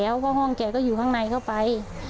เพราะว่าห้องแกก็อยู่ข้างในเข้าไป